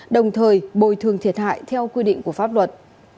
đồng thời bồi thường thiệt hại theo quy định của pháp luật